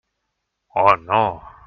Oh, no!